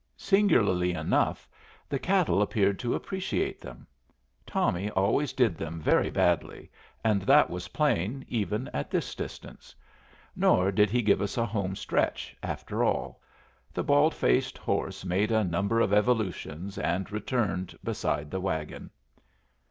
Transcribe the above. Singularly enough, the cattle appeared to appreciate them. Tommy always did them very badly, and that was plain even at this distance. Nor did he give us a homestretch, after all. The bald faced horse made a number of evolutions and returned beside the wagon.